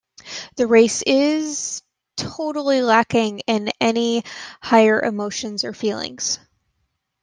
The race is... totally lacking in any higher emotions or feelings.